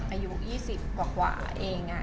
อายุ๒๐กว่าเอง